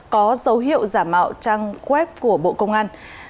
có dấu hiệu giả mạo trang web của bộ công an